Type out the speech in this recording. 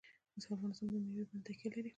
افغانستان په مېوې باندې تکیه لري.